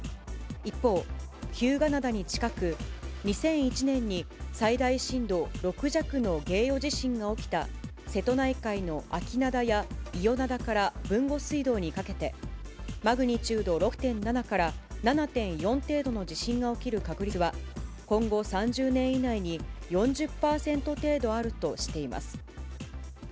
一方、日向灘に近く、２００１年に最大震度６弱の芸予地震が起きた、瀬戸内海の安芸灘や伊予灘から豊後水道にかけて、マグニチュード６．７から７．４程度の地震が起きる確率は、今後３０年以内に４０％程度あるとしています。